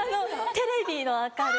・テレビの明かり。